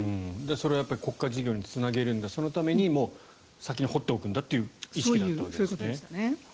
それは国家事業につなげるんだそのために先に掘っておくんだというそうですね。